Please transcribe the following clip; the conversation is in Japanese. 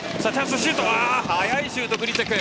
速いシュートだ。